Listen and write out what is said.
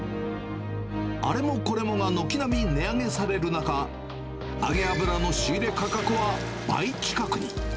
あれもこれもが軒並み値上げされる中、揚げ油の仕入れ価格は倍近くに。